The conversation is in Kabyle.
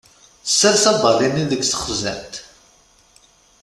Sers abali-nni deg texzant.